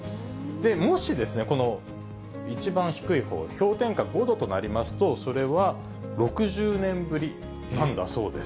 もし、この一番低いほう、氷点下５度となりますと、それは６０年ぶりなんだそうです。